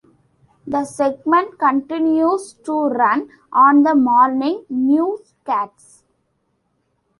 The segment continues to run on the morning newscasts.